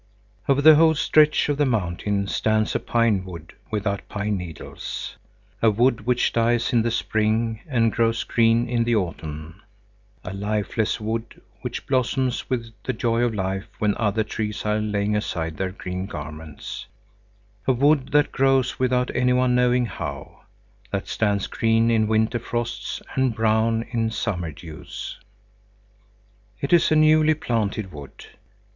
Over the whole stretch of the mountain stands a pine wood without pine needles; a wood which dies in the spring and grows green in the autumn; a lifeless wood, which blossoms with the joy of life when other trees are laying aside their green garments; a wood that grows without any one knowing how, that stands green in winter frosts and brown in summer dews. It is a newly planted wood.